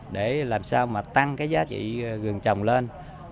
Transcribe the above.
để làm sao mà tăng giá trị gừng trồng lên